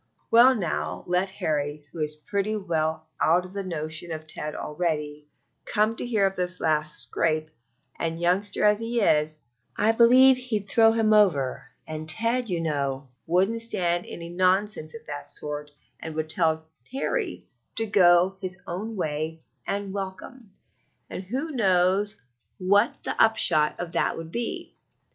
Well, now, let Harold, who is pretty well out of the notion of Ted already, come to hear of this last scrape, and, youngster as he is, I believe he'd throw him over; and Ted, you know, wouldn't stand any nonsense of that sort and would tell Harold 'to go his own way and welcome,' and who knows what the upshot of that would be!